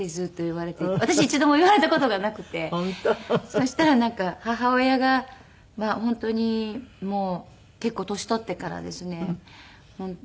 そしたらなんか母親が本当にもう結構年取ってからですね